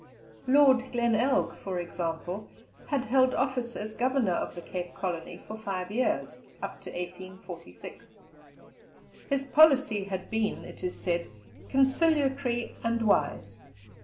Lord Glenelg, for example, had held office as Governor of the Cape Colony for five years, up to 1846. His policy had been, it is said, conciliatory and wise.